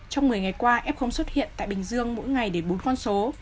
trong một mươi ngày qua f xuất hiện tại bình dương mỗi ngày để bốn con số